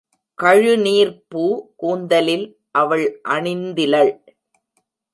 கழுநீர்ப் பூ கூந்தலில் அவள் அணிந்திலள்.